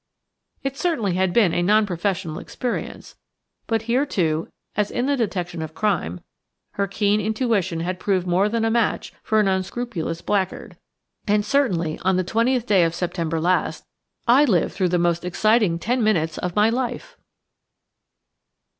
It certainly had been a non professional experience; but here, too, as in the detection of crime, her keen intuition had proved more than a match for an unscrupulous blackguard, and certainly on the 20th day of September last I lived through the most exciting ten minutes of my life.